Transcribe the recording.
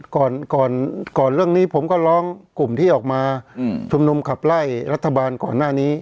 ก่อนก่อนเรื่องนี้ผมก็ร้องกลุ่มที่ออกมาชุมนุมขับไล่รัฐบาลก่อนหน้านี้